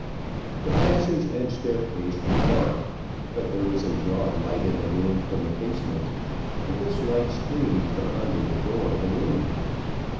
The passage and staircase was dark, but there was a broad light in the room from the casement, and this light streamed from under the door of the room.